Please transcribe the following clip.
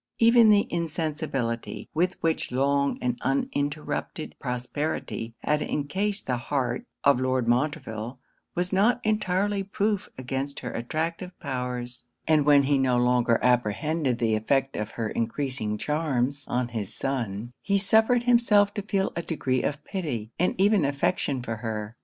Even the insensibility with which long and uninterrupted prosperity had encased the heart of Lord Montreville, was not entirely proof against her attractive powers; and when he no longer apprehended the effect of her encreasing charms on his son, he suffered himself to feel a degree of pity and even of affection for her.